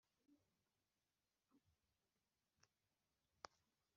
byatumye Abatutsi bari bashyigikiwe bumva amabwiriza